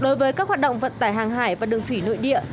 đối với các hoạt động vận tải hàng hải và đường thủy nội địa